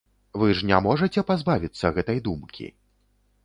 Вы ж не можаце пазбавіцца гэтай думкі?